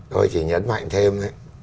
tôi chỉ nhấn mạnh thêm